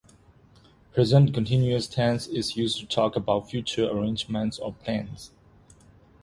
Present continuous tense is used to talk about future arrangements or plans.